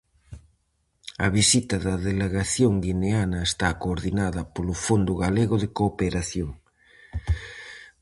A visita da delegación guineana está coordinada polo Fondo Galego de Cooperación.